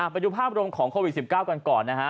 ไปดูภาพรวมของโควิด๑๙กันก่อนนะฮะ